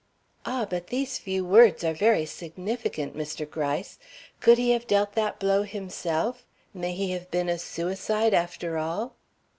'" "Ah! but these few words are very significant, Mr. Gryce. Could he have dealt that blow himself? May he have been a suicide after all?"